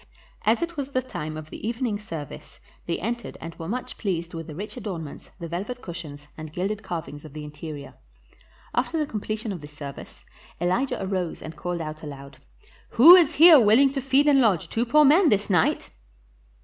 As it was the time of the evening service they entered and were much pleased with the rich adornments, the velvet cushions, and gilded carvings of the interior. After the completion of the service, Elijah arose and called out aloud, "Who is here willing to feed and lodge two poor men this night?"